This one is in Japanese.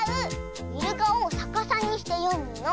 イルカをさかさにしてよむの。